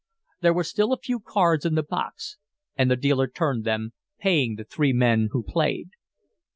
There were still a few cards in the box, and the dealer turned them, paying the three men who played.